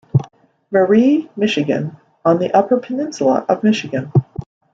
Marie, Michigan on the Upper Peninsula of Michigan.